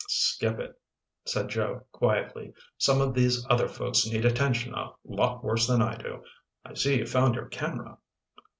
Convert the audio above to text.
"Skip it," said Joe quietly. "Some of these other folks need attention a lot worse than I do. I see you found your camera."